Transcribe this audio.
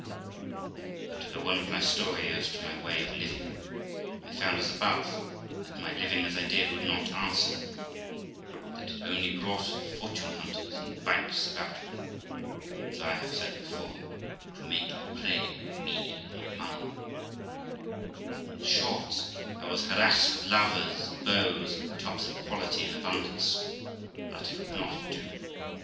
But to go on with my story as to my way of living. I found, as above, that my living as I did would not answer; that it only brought the fortune hunters and bites about me, as I have said before, to make a prey of me and my money ; and, in short, I was harassed with lovers, beaux, and fops of quality in abundance, but it would not do.